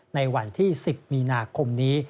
ในวันที่๑๐มีนาคมนี้